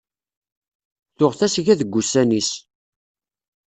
Tuɣ tasga deg ussan-is.